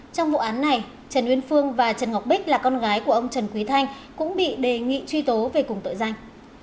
trong vụ án này trần uyên phương và trần ngọc bích là con gái của ông trần quý thanh cũng bị đề nghị truy tố về cùng tội danh